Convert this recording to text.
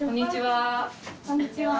こんにちは。